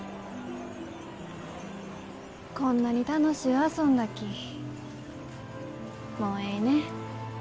こんなに楽しゅう遊んだきもうえいね。